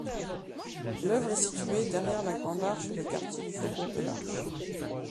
L'œuvre est située derrière la Grande Arche et le quartier du Faubourg de l'Arche.